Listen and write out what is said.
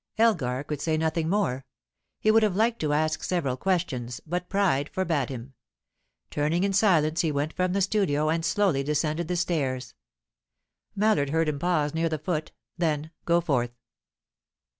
Elgar could say nothing more. He would have liked to ask several questions, but pride forbade him. Turning in silence he went from the studio, and slowly descended the stairs Mallard heard him pause near the foot, then go forth.